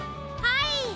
はい。